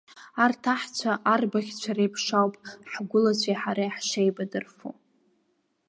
Арҭ аҳцәа, арбаӷьқәа реиԥш ауп ҳгәылацәеи ҳареи ҳшеибадырфо.